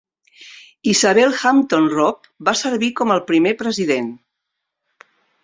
Isabel Hampton Robb va servir com el primer president.